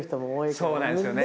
そうなんですね。